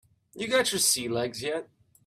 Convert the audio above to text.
You got your sea legs yet?